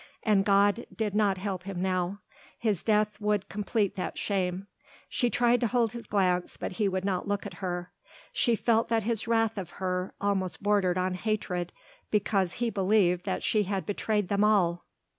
An God did not help him now, his death would complete that shame. She tried to hold his glance, but he would not look at her; she felt that his wrath of her almost bordered on hatred because he believed that she had betrayed them all.